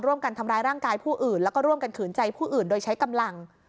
ร่วมกันทำร้ายร่างกายผู้อื่นแล้วก็ร่วมกันขืนใจผู้อื่นโดยใช้กำลัง